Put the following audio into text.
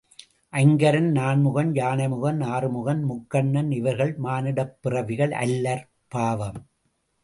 ஐங்கரன், நான்முகன், யானைமுகன், ஆறுமுகன் முக்கண்ணன் இவர்கள் மானிடப் பிறவிகள் அல்லர் பாவம்!